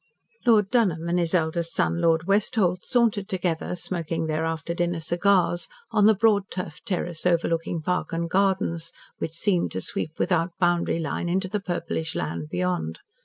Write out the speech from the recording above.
Lord Dunholm and his eldest son, Lord Westholt, sauntered together smoking their after dinner cigars on the broad turfed terrace overlooking park and gardens which seemed to sweep without boundary line into the purplish land beyond.